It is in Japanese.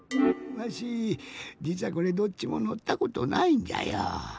わしじつはこれどっちものったことないんじゃよ。